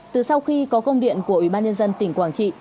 từ sau khi có công điện của ủy ban nhân dân tỉnh quảng trị